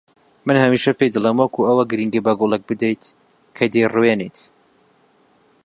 من هەمیشە پێی دەڵێم وەکو ئەوەی گرنگی بە گوڵێک بدەیت کە دەیڕوێنیت